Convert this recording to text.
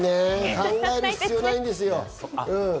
考える必要ないんですよ。